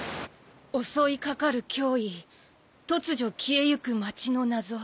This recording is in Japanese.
「襲いかかる脅威突如消えゆく街の謎」